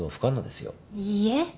いいえ。